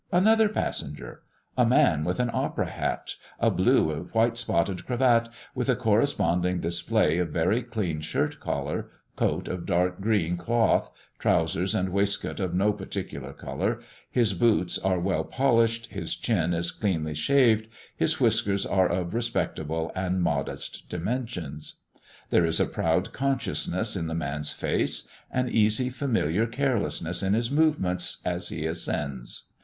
another passenger! a man with an opera hat, a blue, white spotted cravat, with a corresponding display of very clean shirt collar, coat of dark green cloth, trousers and waistcoat of no particular colour; his boots are well polished, his chin is cleanly shaved; his whiskers are of respectable and modest dimensions. There is a proud consciousness in the man's face, an easy, familiar carelessness in his movements as he ascends.